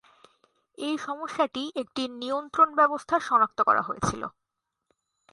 এই সমস্যাটি একটি নিয়ন্ত্রণ ব্যবস্থা সনাক্ত করা হয়েছিল।